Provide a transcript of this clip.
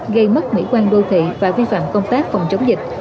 gây mất mỹ quan đô thị và vi phạm công tác phòng chống dịch